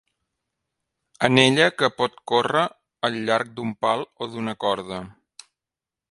Anella que pot córrer al llarg d'un pal o d'una corda.